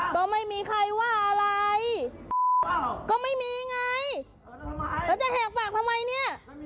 ก็ไม่มีใครว่าอะไรก็ไม่มีไงแล้วจะแหกปากทำไมเนี่ย